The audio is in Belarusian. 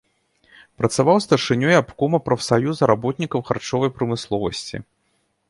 Працаваў старшынёй абкома прафсаюза работнікаў харчовай прамысловасці.